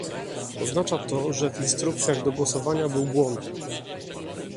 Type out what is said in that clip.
Oznacza to, że w instrukcjach do głosowania był błąd